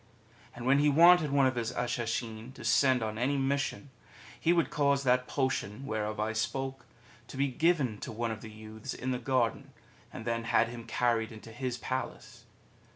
And when he wanted one of his Ashishin to send on any mission, he would cause that potion where of I spoke to be given to one of the youths in the garden, and then had him carried into his Palace.